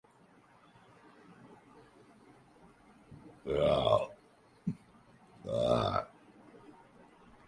Civil সার্ভিসে একজন brigadier general প্রায়শই উপ-মন্ত্রী বা নির্দিষ্ট মন্ত্রনালয়ের মহাপরিচালকের পদে অধিষ্ঠিত হন।